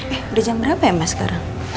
eh udah jam berapa ya mas sekarang